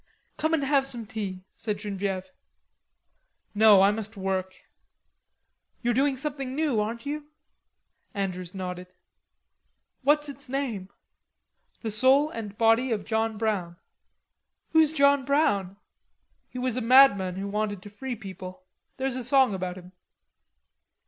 "Come and have some tea," said Genevieve. "No, I must work." "You are doing something new, aren't you?" Andrews nodded. "What's its name?" "The Soul and Body of John Brown." "Who's John Brown?" "He was a madman who wanted to free people. There's a song about him."